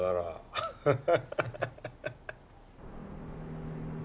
ハハハハ。